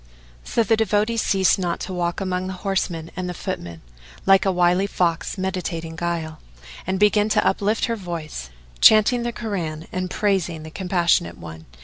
"[FN#444] So the devotee ceased not to walk among the horsemen and the footmen, like a wily fox meditating guile, and began to uplift her voice, chanting the Koran and praising the Compassionate One.